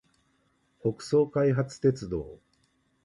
北総開発鉄道